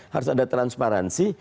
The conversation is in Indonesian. harus ada transparansi